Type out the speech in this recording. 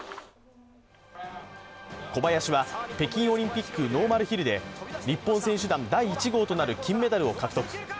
小林は北京オリンピックノーマルヒルで日本選手団第１号となる金メダルを獲得。